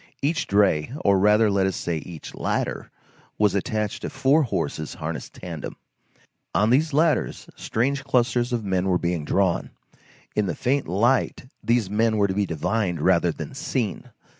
Each dray, or rather let us say, each ladder, was attached to four horses harnessed tandem. On these ladders strange clusters of men were being drawn. In the faint light, these men were to be divined rather than seen.